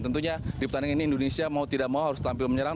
tentunya di pertandingan ini indonesia mau tidak mau harus tampil menyerang